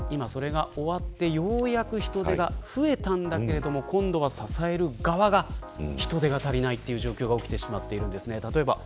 今それが終わってようやく人出が増えたけど、今度は支える側が人手が足りないという状況が起きているんです。